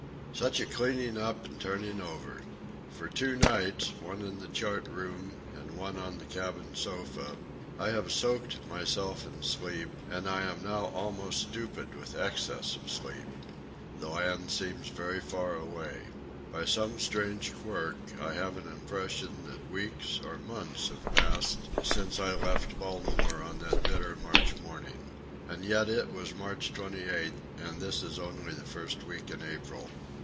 Such a cleaning up and turning over! For two nights, one in the chart room and one on the cabin sofa, I have soaked myself in sleep, and I am now almost stupid with excess of sleep. The land seems very far away. By some strange quirk, I have an impression that weeks, or months, have passed since I left Baltimore on that bitter March morning. And yet it was March 28, and this is only the first week in April.